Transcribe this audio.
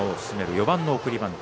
４番の送りバント。